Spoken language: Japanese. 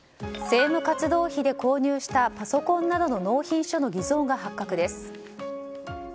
政務活動費で購入したパソコンなどの納品書の偽造が発覚です。